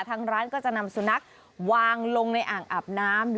ทั้งร้านก็จะนำสุนักพันธุ์วางลงในอ่างอาบน้ำ